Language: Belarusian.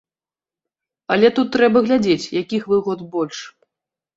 Але тут трэба глядзець, якіх выгод больш.